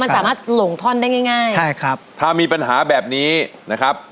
มันสามารถหลงท่อนได้ง่ายง่ายใช่ครับถ้ามีปัญหาแบบนี้นะครับ